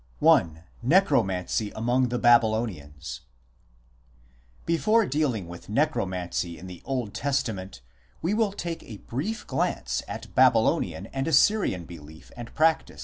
I. NECROMANCY AMONG THE BABYLONIANS Before dealing with Necromancy in the Old Testament we will take a brief glance at Babylonian and Assyrian belief and practice.